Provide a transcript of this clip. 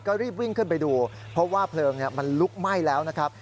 ก็รีบวิ่งขึ้นไปดูเพราะว่าเพลิงมันลุกไหม้แล้วนะครับ